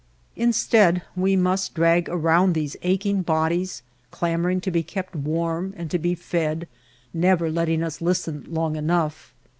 Instead, we must drag around these aching bodies clamoring to be kept w^arm and to be fed, never letting us listen long enough.